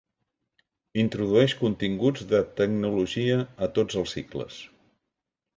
Introdueix continguts de Tecnologia a tots els cicles.